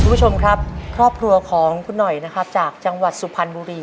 คุณผู้ชมครับครอบครัวของคุณหน่อยนะครับจากจังหวัดสุพรรณบุรี